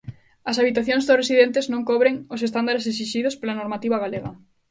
As habitacións dos residentes non cobren os estándares esixidos pola normativa galega.